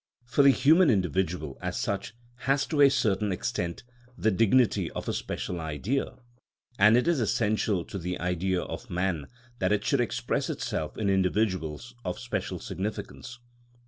For the human individual as such has to a certain extent the dignity of a special Idea, and it is essential to the Idea of man that it should express itself in individuals of special significance.